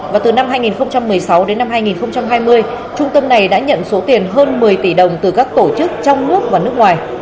và từ năm hai nghìn một mươi sáu đến năm hai nghìn hai mươi trung tâm này đã nhận số tiền hơn một mươi tỷ đồng từ các tổ chức trong nước và nước ngoài